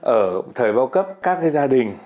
ở thời bao cấp các cái gia đình